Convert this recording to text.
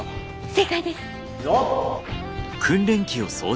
正解です！